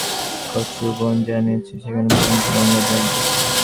তীরে আম্রকাননের নীচে যেখানে কচুবন জন্মিয়াছে, যেখান পর্যন্ত গঙ্গার জল গিয়াছে।